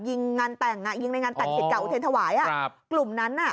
ยิงงานแต่งงานยิงในงานแต่งเก่าเทศถวายอ่ะครับกลุ่มนั้นอ่ะ